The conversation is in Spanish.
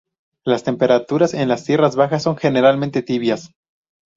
Las temperaturas en las tierras bajas son generalmente tibias.